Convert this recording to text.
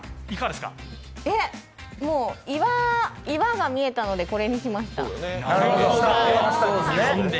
岩が見えたのでこれにしました。